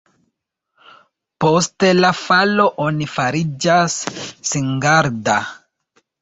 Post la falo oni fariĝas singarda.